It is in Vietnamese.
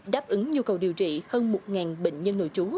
đáp ứng nhu cầu điều trị hơn một bệnh nhân nội trú